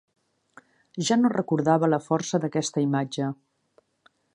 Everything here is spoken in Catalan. Ja no recordava la força d'aquesta imatge.